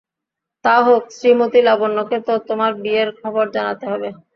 তা হোক, শ্রীমতী লাবণ্যকে তো তোমার বিয়ের খবর জানাতে হবে।